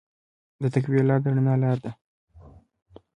د تقوی لاره د رڼا لاره ده.